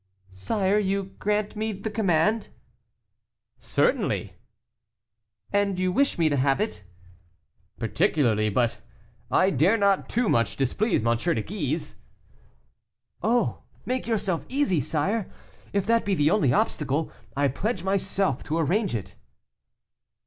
"Sire, you grant me the command?" "Certainly." "And you wish me to have it?" "Particularly; but I dare not too much displease M. de Guise." "Oh, make yourself easy, sire; if that be the only obstacle, I pledge myself to arrange it."